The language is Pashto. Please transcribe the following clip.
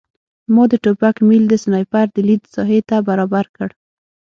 ما د ټوپک میل د سنایپر د لید ساحې ته برابر کړ